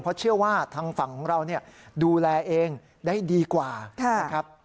เพราะเชื่อว่าทางฝั่งของเราดูแลเองได้ดีกว่านะครับ